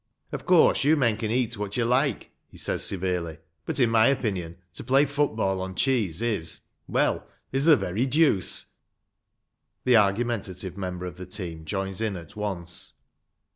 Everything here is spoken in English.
" Of course you men can eat what you like," he says severely, " but, in my opinion, to play football on cheese is ‚ÄĒ well, is the very deuce." The argumentative member of the team joins in at once.